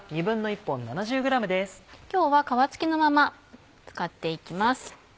今日は皮付きのまま使っていきます。